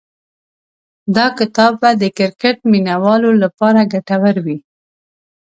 دا کتاب به د کرکټ مینه والو لپاره ګټور وي.